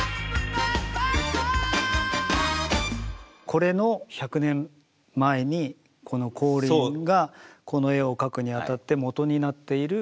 これの１００年前に光琳がこの絵を描くにあたって元になっている。